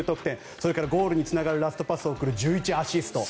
それからゴールにつながるラストパスを送る１１アシスト。